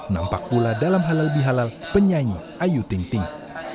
nampak pula dalam halal bihalal penyanyi ayu ting ting